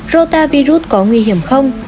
rotavirus có nguy hiểm không